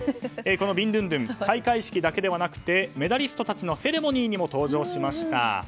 このビンドゥンドゥン開会式だけではなくてメダリストたちのセレモニーにも登場しました。